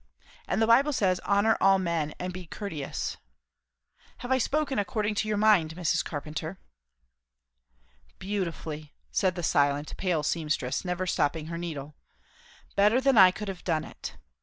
And the Bible says, 'Honour all men;' and, 'Be courteous.' Have I spoken according to your mind, Mrs. Carpenter?" "Beautifully," said the silent, pale seamstress, never stopping her needle. "Better than I could have done it.